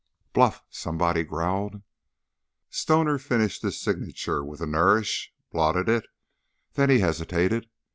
"Bluff!" somebody growled. Stoner finished his signature with a nourish, blotted it, then he hesitated.